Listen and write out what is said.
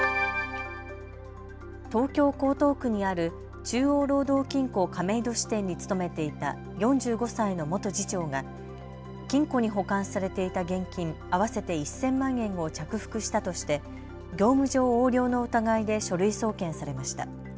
東京江東区にある中央労働金庫亀戸支店に勤めていた４５歳の元次長が金庫に保管されていた現金合わせて１０００万円を着服したとして業務上横領の疑いで書類送検されました。